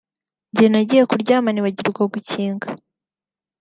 njye nagiye kuryama nibagirwa gukinga